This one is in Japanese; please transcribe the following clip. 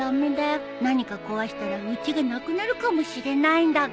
何か壊したらうちがなくなるかもしれないんだから。